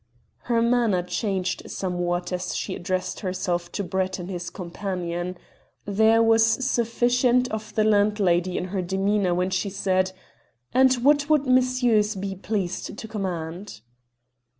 Her manner changed somewhat as she addressed herself to Brett and his companion. There was sufficient of the landlady in her demeanour when she said, "And what would messieurs be pleased to command?"